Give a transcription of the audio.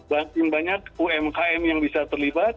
makin banyak umkm yang bisa terlibat